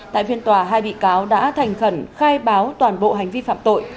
tại phiên tòa hai bị cáo đã thành khẩn khai báo toàn bộ hành vi phạm tội